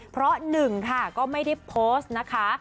เพราะหนึ่งค่ะก็ไม่ได้โพสต์นะคะ